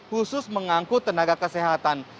khusus mengangkut tenaga kesehatan